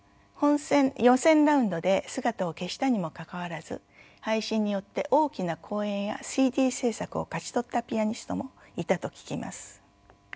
予選ラウンドで姿を消したにもかかわらず配信によって大きな公演やＣＤ制作を勝ち取ったピアニストもいたと聞きます。